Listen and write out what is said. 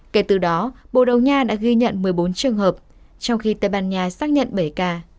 kể từ đó bồ đầu nha đã ghi nhận một mươi bốn trường hợp trong khi tây ban nha xác nhận bảy ca